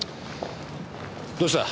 どうした？